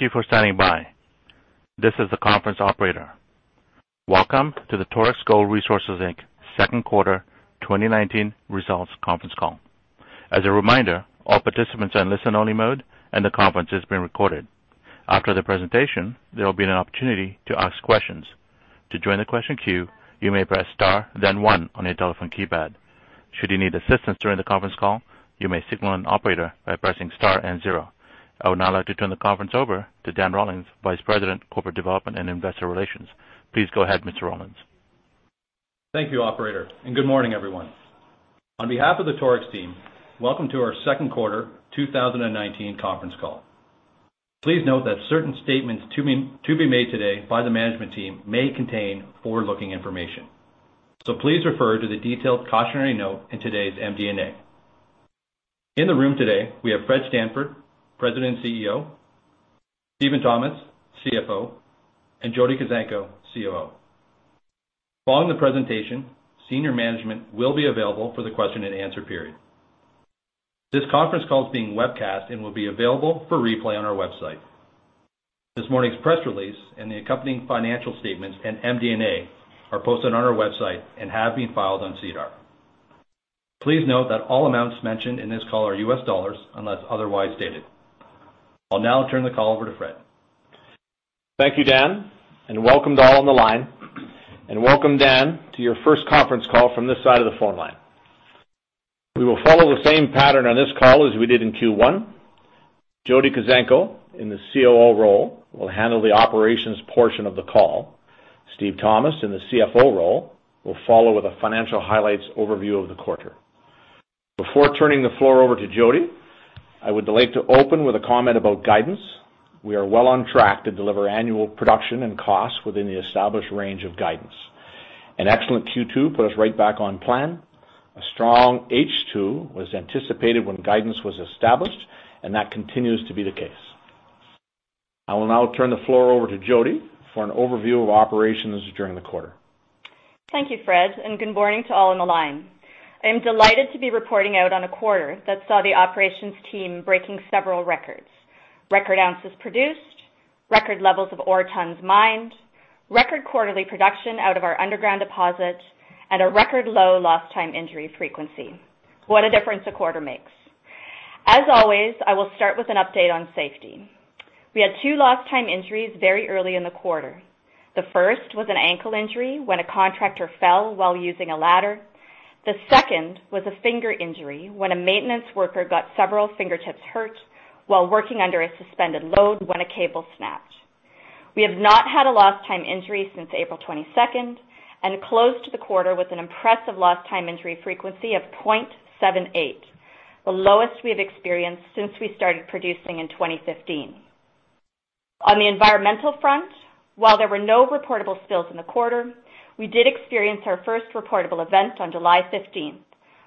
Thank you for standing by. This is the conference operator. Welcome to the Torex Gold Resources Inc. Second Quarter 2019 Results Conference Call. As a reminder, all participants are in listen-only mode, and the conference is being recorded. After the presentation, there will be an opportunity to ask questions. To join the question queue, you may press star then one on your telephone keypad. Should you need assistance during the conference call, you may signal an operator by pressing star and zero. I would now like to turn the conference over to Dan Rollins, Vice President, Corporate Development and Investor Relations. Please go ahead, Mr. Rollins. Thank you, operator. Good morning, everyone. On behalf of the Torex team, welcome to our second quarter 2019 conference call. Please note that certain statements to be made today by the management team may contain forward-looking information. Please refer to the detailed cautionary note in today's MD&A. In the room today, we have Fred Stanford, President and CEO, Steven Thomas, CFO, and Jody Kuzenko, COO. Following the presentation, senior management will be available for the question and answer period. This conference call is being webcast and will be available for replay on our website. This morning's press release and the accompanying financial statements and MD&A are posted on our website and have been filed on SEDAR. Please note that all amounts mentioned in this call are US dollars unless otherwise stated. I'll now turn the call over to Fred. Thank you, Dan, and welcome to all on the line. Welcome, Dan, to your first conference call from this side of the phone line. We will follow the same pattern on this call as we did in Q1. Jody Kuzenko, in the COO role, will handle the operations portion of the call. Steven Thomas, in the CFO role, will follow with a financial highlights overview of the quarter. Before turning the floor over to Jody, I would like to open with a comment about guidance. We are well on track to deliver annual production and costs within the established range of guidance. An excellent Q2 put us right back on plan. A strong H2 was anticipated when guidance was established, and that continues to be the case. I will now turn the floor over to Jody for an overview of operations during the quarter. Thank you, Fred. Good morning to all on the line. I am delighted to be reporting out on a quarter that saw the operations team breaking several records. Record ounces produced, record levels of ore tons mined, record quarterly production out of our underground deposit, and a record low lost time injury frequency. What a difference a quarter makes. As always, I will start with an update on safety. We had two lost time injuries very early in the quarter. The first was an ankle injury when a contractor fell while using a ladder. The second was a finger injury when a maintenance worker got several fingertips hurt while working under a suspended load when a cable snapped. We have not had a lost time injury since April 22nd, and closed the quarter with an impressive lost time injury frequency of 0.78, the lowest we have experienced since we started producing in 2015. On the environmental front, while there were no reportable spills in the quarter, we did experience our first reportable event on July 15th,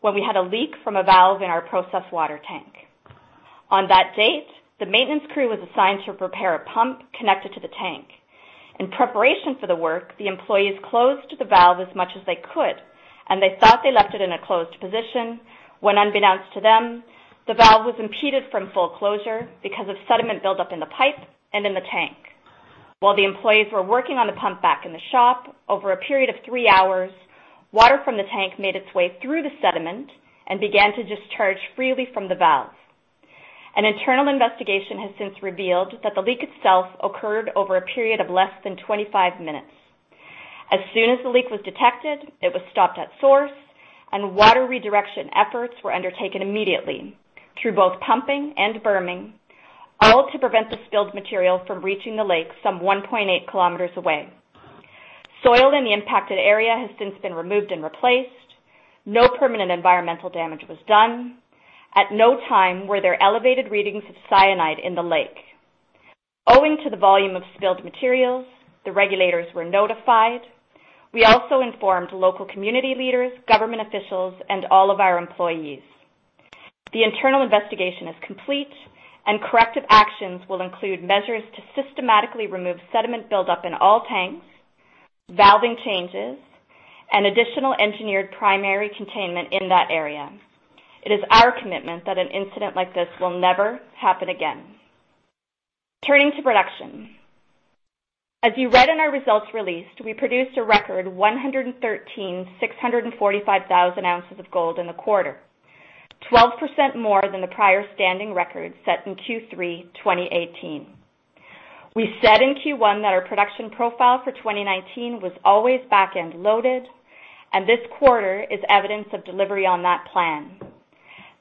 when we had a leak from a valve in our process water tank. On that date, the maintenance crew was assigned to repair a pump connected to the tank. In preparation for the work, the employees closed the valve as much as they could, and they thought they left it in a closed position when, unbeknownst to them, the valve was impeded from full closure because of sediment buildup in the pipe and in the tank. While the employees were working on the pump back in the shop, over a period of three hours, water from the tank made its way through the sediment and began to discharge freely from the valve. An internal investigation has since revealed that the leak itself occurred over a period of less than 25 minutes. As soon as the leak was detected, it was stopped at source. Water redirection efforts were undertaken immediately through both pumping and berming, all to prevent the spilled material from reaching the lake some 1.8 kilometers away. Soil in the impacted area has since been removed and replaced. No permanent environmental damage was done. At no time were there elevated readings of cyanide in the lake. Owing to the volume of spilled materials, the regulators were notified. We also informed local community leaders, government officials, and all of our employees. The internal investigation is complete. Corrective actions will include measures to systematically remove sediment buildup in all tanks, valving changes, and additional engineered primary containment in that area. It is our commitment that an incident like this will never happen again. Turning to production. As you read in our results release, we produced a record 113,645 ounces of gold in the quarter, 12% more than the prior standing record set in Q3 2018. We said in Q1 that our production profile for 2019 was always back-end loaded. This quarter is evidence of delivery on that plan.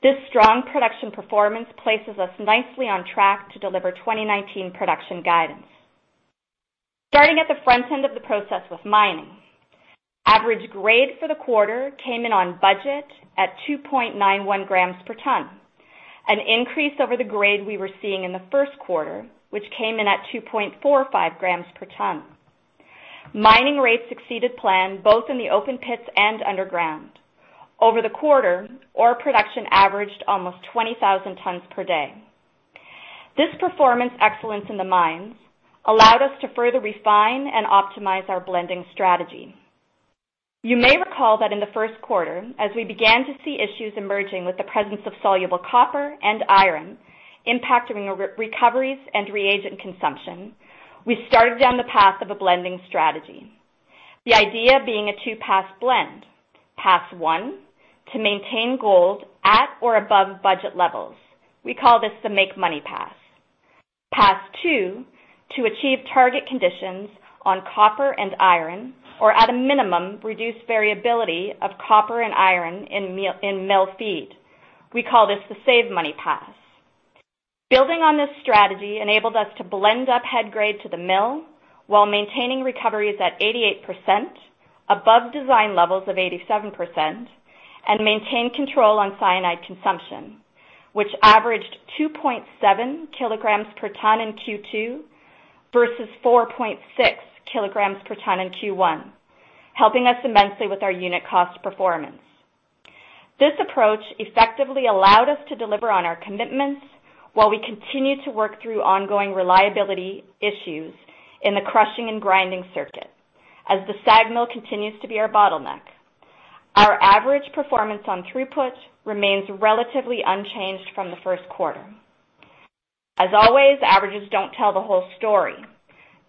This strong production performance places us nicely on track to deliver 2019 production guidance. Starting at the front end of the process with mining. Average grade for the quarter came in on budget at 2.91 grams per ton, an increase over the grade we were seeing in the first quarter, which came in at 2.45 grams per ton. Mining rates exceeded plan both in the open pits and underground. Over the quarter, ore production averaged almost 20,000 tons per day. This performance excellence in the mines allowed us to further refine and optimize our blending strategy. You may recall that in the first quarter, as we began to see issues emerging with the presence of soluble copper and iron impacting our recoveries and reagent consumption, we started down the path of a blending strategy. The idea being a two-pass blend. Pass 1, to maintain gold at or above budget levels. We call this the make money pass. Pass 2, to achieve target conditions on copper and iron, or at a minimum, reduce variability of copper and iron in mill feed. We call this the save money pass. Building on this strategy enabled us to blend up head grade to the mill while maintaining recoveries at 88%, above design levels of 87%, and maintain control on cyanide consumption, which averaged 2.7 kilograms per ton in Q2 versus 4.6 kilograms per ton in Q1, helping us immensely with our unit cost performance. This approach effectively allowed us to deliver on our commitments while we continue to work through ongoing reliability issues in the crushing and grinding circuit as the SAG mill continues to be our bottleneck. Our average performance on throughput remains relatively unchanged from the first quarter. Always, averages don't tell the whole story.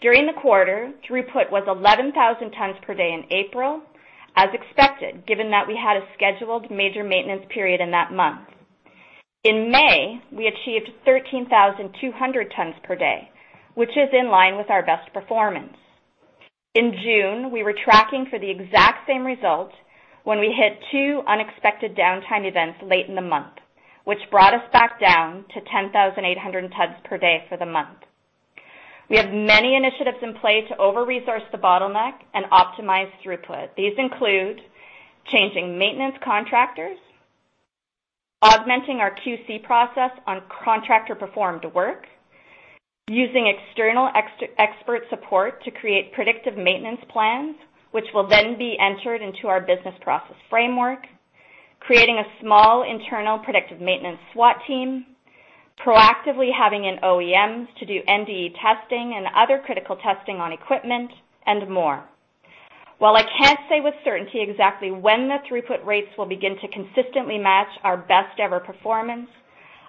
During the quarter, throughput was 11,000 tons per day in April, as expected, given that we had a scheduled major maintenance period in that month. In May, we achieved 13,200 tons per day, which is in line with our best performance. In June, we were tracking for the exact same result when we hit two unexpected downtime events late in the month, which brought us back down to 10,800 tons per day for the month. We have many initiatives in play to over-resource the bottleneck and optimize throughput. These include changing maintenance contractors, augmenting our QC process on contractor-performed work, using external expert support to create predictive maintenance plans, which will then be entered into our business process framework, creating a small internal predictive maintenance SWAT team, proactively having an an OEM to do NDE testing and other critical testing on equipment, and more. While I can't say with certainty exactly when the throughput rates will begin to consistently match our best-ever performance,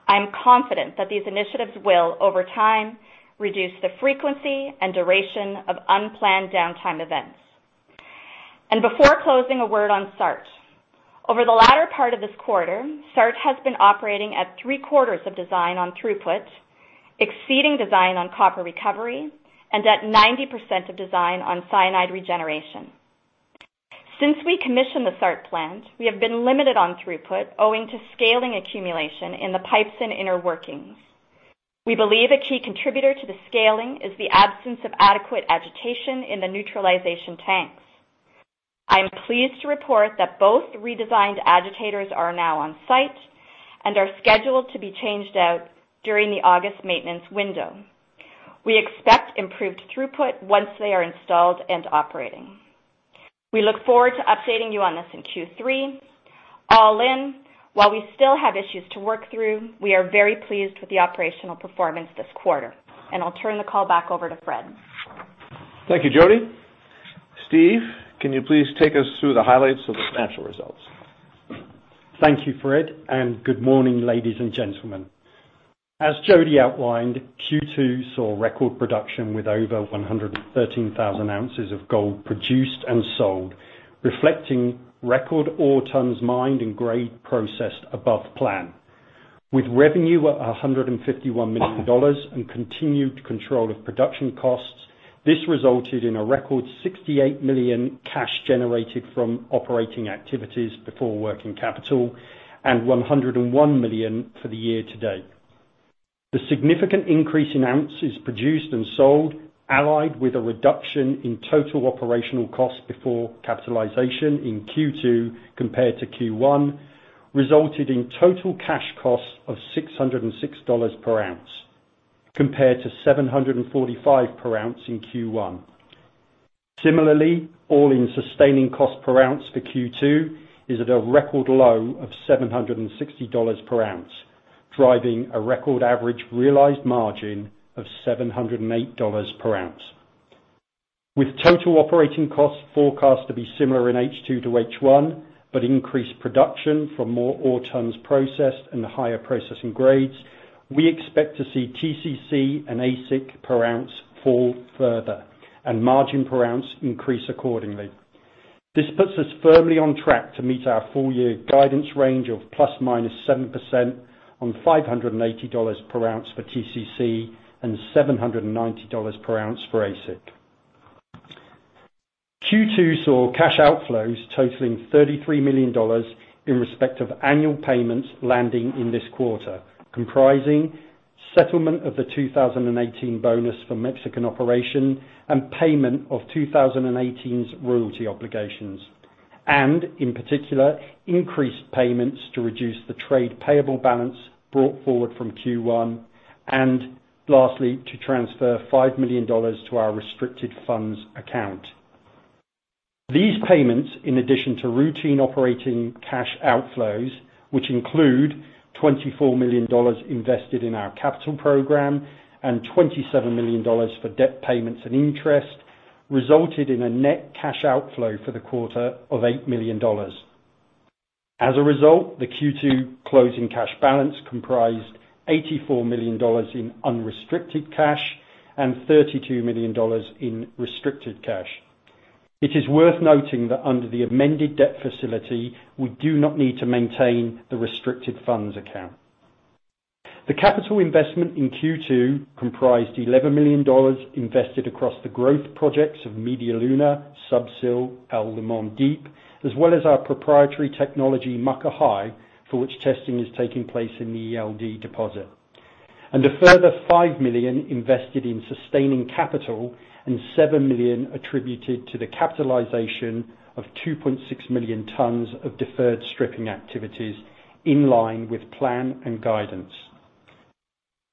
I'm confident that these initiatives will, over time, reduce the frequency and duration of unplanned downtime events. Before closing, a word on SART. Over the latter part of this quarter, SART has been operating at three-quarters of design on throughput, exceeding design on copper recovery, and at 90% of design on cyanide regeneration. Since we commissioned the SART plant, we have been limited on throughput owing to scaling accumulation in the pipes and inner workings. We believe a key contributor to the scaling is the absence of adequate agitation in the neutralization tanks. I am pleased to report that both redesigned agitators are now on site and are scheduled to be changed out during the August maintenance window. We expect improved throughput once they are installed and operating. We look forward to updating you on this in Q3. All in, while we still have issues to work through, we are very pleased with the operational performance this quarter. I'll turn the call back over to Fred. Thank you, Jody. Steve, can you please take us through the highlights of the financial results? Thank you, Fred. Good morning, ladies and gentlemen. As Jody Kuzenko outlined, Q2 saw record production with over 113,000 ounces of gold produced and sold, reflecting record ore tons mined and grade processed above plan. With revenue at $151 million and continued control of production costs, this resulted in a record $68 million cash generated from operating activities before working capital and $101 million for the year to date. The significant increase in ounces produced and sold, allied with a reduction in total operational costs before capitalization in Q2 compared to Q1, resulted in total cash costs of $606 per ounce, compared to $745 per ounce in Q1. Similarly, all-in sustaining cost per ounce for Q2 is at a record low of $760 per ounce, driving a record average realized margin of $708 per ounce. With total operating costs forecast to be similar in H2 to H1, but increased production from more ore tons processed and higher processing grades, we expect to see TCC and AISC per ounce fall further and margin per ounce increase accordingly. This puts us firmly on track to meet our full-year guidance range of ±7% on $580 per ounce for TCC and $790 per ounce for AISC. Q2 saw cash outflows totaling $33 million in respect of annual payments landing in this quarter, comprising settlement of the 2018 bonus for Mexican operation and payment of 2018's royalty obligations. In particular, increased payments to reduce the trade payable balance brought forward from Q1, and lastly, to transfer $5 million to our restricted funds account. These payments, in addition to routine operating cash outflows, which include $24 million invested in our capital program and $27 million for debt payments and interest resulted in a net cash outflow for the quarter of $8 million. The Q2 closing cash balance comprised $84 million in unrestricted cash and $32 million in restricted cash. It is worth noting that under the amended debt facility, we do not need to maintain the restricted funds account. The capital investment in Q2 comprised $11 million invested across the growth projects of Media Luna, Sub-Sill, El Limón Deep, as well as our proprietary technology, Muckahi, for which testing is taking place in the ELD deposit. A further $5 million invested in sustaining capital and $7 million attributed to the capitalization of 2.6 million tons of deferred stripping activities in line with plan and guidance.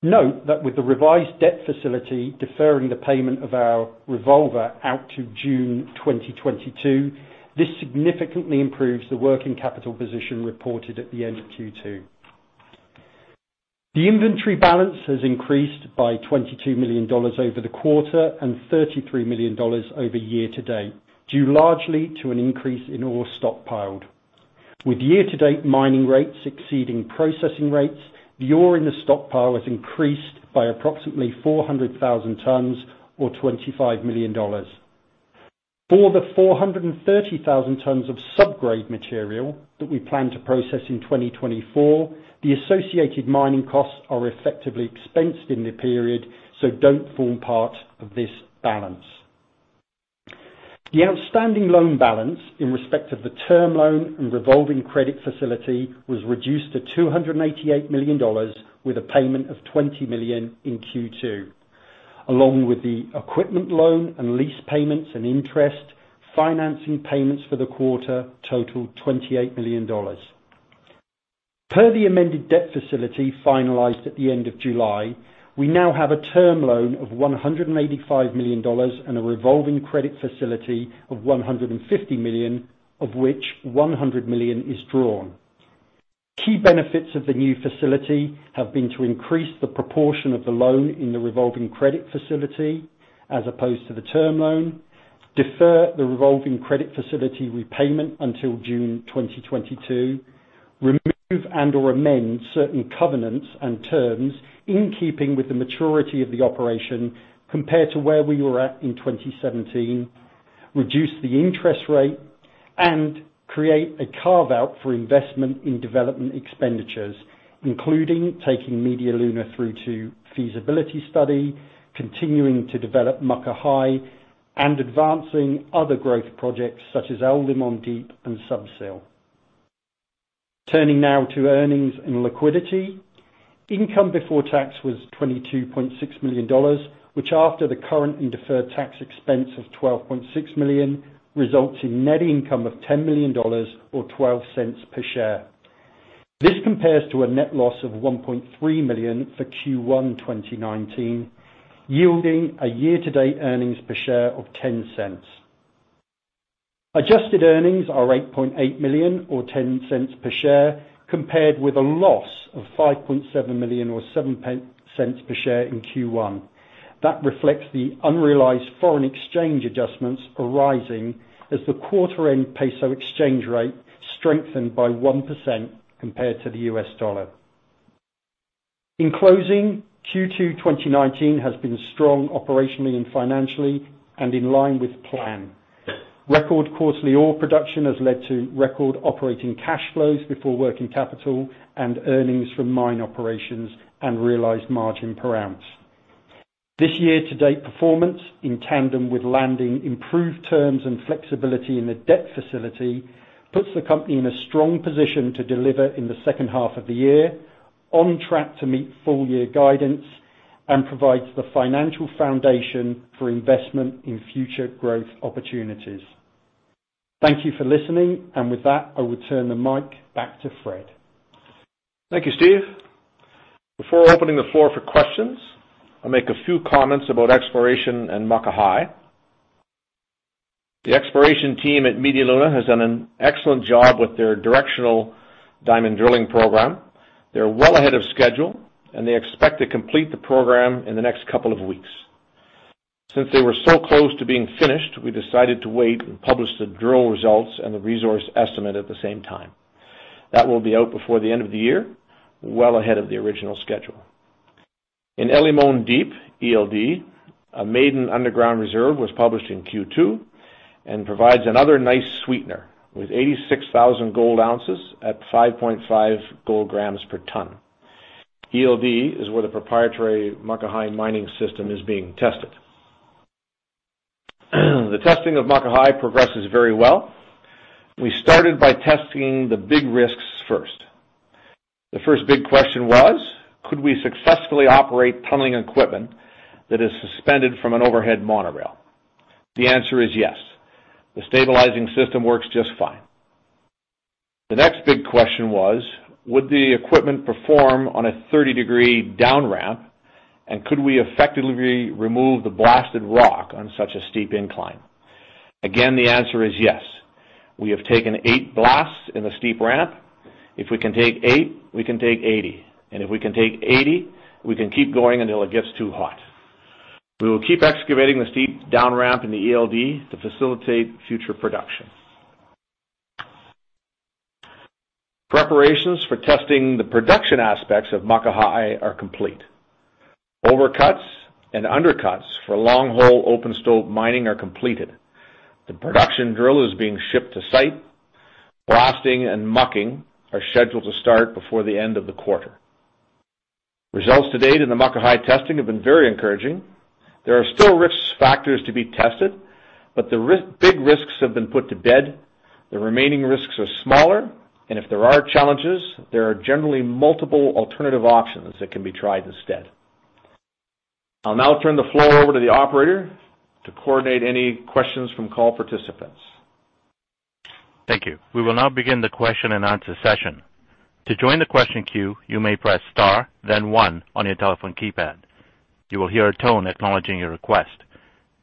Note that with the revised debt facility deferring the payment of our revolver out to June 2022, this significantly improves the working capital position reported at the end of Q2. The inventory balance has increased by $22 million over the quarter and $33 million over year-to-date, due largely to an increase in ore stockpiled. With year-to-date mining rates exceeding processing rates, the ore in the stockpile has increased by approximately 400,000 tons or $25 million. The 430,000 tons of sub-grade material that we plan to process in 2024, the associated mining costs are effectively expensed in the period, so don't form part of this balance. The outstanding loan balance in respect of the term loan and revolving credit facility was reduced to $288 million with a payment of $20 million in Q2. Along with the equipment loan and lease payments and interest, financing payments for the quarter totaled $28 million. Per the amended debt facility finalized at the end of July, we now have a term loan of $185 million and a revolving credit facility of $150 million, of which $100 million is drawn. Key benefits of the new facility have been to increase the proportion of the loan in the revolving credit facility as opposed to the term loan, defer the revolving credit facility repayment until June 2022, remove and/or amend certain covenants and terms in keeping with the maturity of the operation compared to where we were at in 2017, reduce the interest rate, and create a carve-out for investment in development expenditures. Including taking Media Luna through to feasibility study, continuing to develop Muckahi, and advancing other growth projects such as El Limón Deep and Sub-Sill. Turning now to earnings and liquidity. Income before tax was $22.6 million, which after the current and deferred tax expense of $12.6 million, results in net income of $10 million or $0.12 per share. This compares to a net loss of $1.3 million for Q1 2019, yielding a year-to-date earnings per share of $0.10. Adjusted earnings are $8.8 million or $0.10 per share, compared with a loss of $5.7 million or $0.07 per share in Q1. That reflects the unrealized foreign exchange adjustments arising as the quarter end peso exchange rate strengthened by 1% compared to the U.S. dollar. In closing, Q2 2019 has been strong operationally and financially and in line with plan. Record quarterly ore production has led to record operating cash flows before working capital and earnings from mine operations and realized margin per ounce. This year-to-date performance, in tandem with landing improved terms and flexibility in the debt facility, puts the company in a strong position to deliver in the second half of the year, on track to meet full year guidance and provides the financial foundation for investment in future growth opportunities. Thank you for listening. With that, I will turn the mic back to Fred. Thank you, Steven. Before opening the floor for questions, I'll make a few comments about exploration and Muckahi. The exploration team at Media Luna has done an excellent job with their directional diamond drilling program. They're well ahead of schedule and they expect to complete the program in the next couple of weeks. Since they were so close to being finished, we decided to wait and publish the drill results and the resource estimate at the same time. That will be out before the end of the year, well ahead of the original schedule. In El Limón Deep, ELD, a maiden underground reserve was published in Q2 and provides another nice sweetener with 86,000 gold ounces at 5.5 gold grams per ton. ELD is where the proprietary Muckahi mining system is being tested. The testing of Muckahi progresses very well. We started by testing the big risks first. The first big question was, could we successfully operate tunneling equipment that is suspended from an overhead monorail? The answer is yes. The stabilizing system works just fine. The next big question was, would the equipment perform on a 30-degree down ramp, and could we effectively remove the blasted rock on such a steep incline? Again, the answer is yes. We have taken eight blasts in the steep ramp. If we can take eight, we can take 80. If we can take 80, we can keep going until it gets too hot. We will keep excavating the steep down ramp in the ELD to facilitate future production. Preparations for testing the production aspects of Muckahi are complete. Overcuts and undercuts for long hole open stope mining are completed. The production drill is being shipped to site. Blasting and mucking are scheduled to start before the end of the quarter. Results to date in the Muckahi testing have been very encouraging. There are still risk factors to be tested, but the big risks have been put to bed. The remaining risks are smaller, and if there are challenges, there are generally multiple alternative options that can be tried instead. I'll now turn the floor over to the operator to coordinate any questions from call participants. Thank you. We will now begin the question-and-answer session. To join the question queue, you may press star then one on your telephone keypad. You will hear a tone acknowledging your request.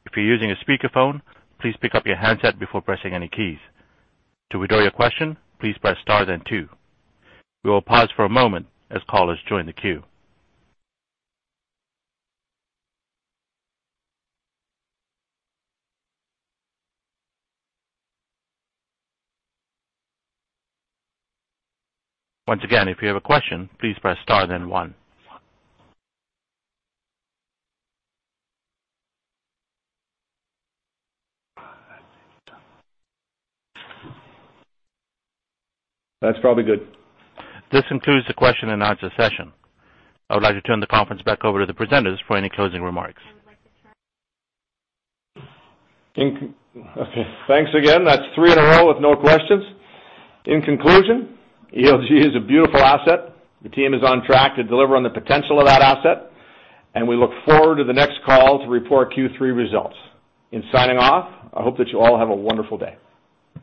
If you're using a speakerphone, please pick up your handset before pressing any keys. To withdraw your question, please press star then two. We will pause for a moment as callers join the queue. Once again, if you have a question, please press star then one. That's probably good. This concludes the question-and-answer session. I would like to turn the conference back over to the presenters for any closing remarks. Okay, thanks again. That's three in a row with no questions. In conclusion, ELD is a beautiful asset. The team is on track to deliver on the potential of that asset, and we look forward to the next call to report Q3 results. In signing off, I hope that you all have a wonderful day.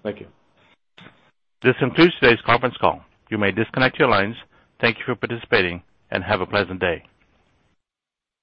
Thank you. This concludes today's conference call. You may disconnect your lines. Thank you for participating, and have a pleasant day.